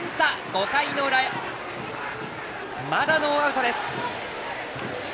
５回の裏、まだノーアウトです。